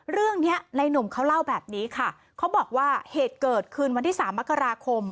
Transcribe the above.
เรื่องนี้ในหนุ่มเขาเล่าแบบนี้ค่ะเขาบอกว่าเหตุเกิดขึ้นวันที่สามมกราคม